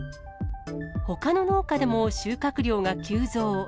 ほかの農家でも、収穫量が急増。